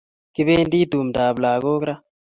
Kipendi tumdo ab lakok raa